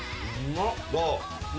どう？